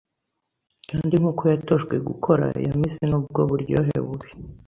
kandi nkuko yatojwe gukora yamize nubwo uburyohe bubi